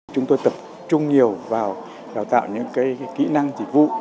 chúng tôi tập trung nhiều vào đào tạo những kỹ năng dịch vụ